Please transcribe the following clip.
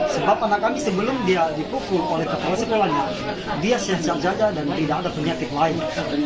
sebab anak kami sebelum dia dipukul oleh kepala sekolahnya dia siap siap jaga dan tidak ada penyakit lain